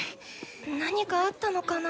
何かあったのかな？